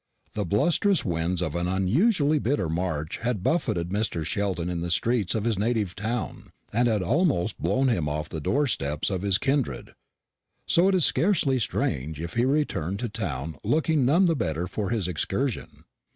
The blustrous winds of an unusually bitter March had buffeted Mr. Sheldon in the streets of his native town, and had almost blown him off the door steps of his kindred. So it is scarcely strange if he returned to town looking none the better for his excursion.